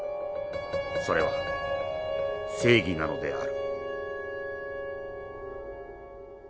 それは正義なのである」。